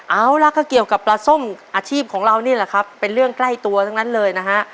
เอาล่ะก็เกี่ยวกับปลาส้มอาชีพของเรานี่แหละครับเป็นเรื่องใกล้ตัวทั้งนั้นเลยนะฮะ